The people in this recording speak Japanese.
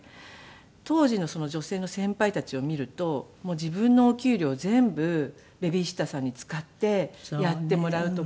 当時の女性の先輩たちを見ると自分のお給料を全部ベビーシッターさんに使ってやってもらうとか。